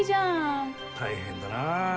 大変だなぁ。